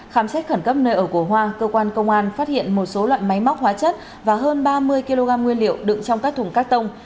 khám xét khẩn cấp nơi ở của hoa cơ quan công an phát hiện một số loại máy móc hóa chất và hơn ba mươi kg nguyên liệu đựng trong các thùng cắt tông